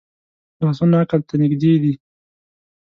لاسونه عقل ته نږدې دي